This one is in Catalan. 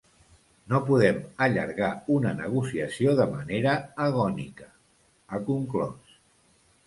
“No podem allargar una negociació de manera agònica”, ha conclòs.